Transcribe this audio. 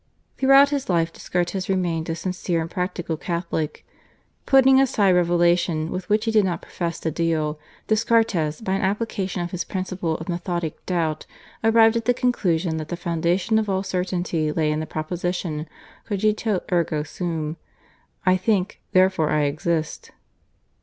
Throughout his life Descartes remained a sincere and practical Catholic. Putting aside Revelation, with which he did not profess to deal, Descartes, by an application of his principle of methodic doubt, arrived at the conclusion that the foundation of all certainty lay in the proposition /Cogito ergo sum/ (I think, therefore I exist).